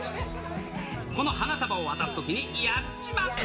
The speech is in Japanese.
この花束を渡すときに、やっちまった。